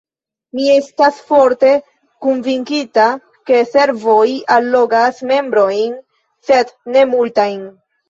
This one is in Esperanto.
Mi estas forte konvinkita, ke servoj allogas membrojn, sed ne multajn.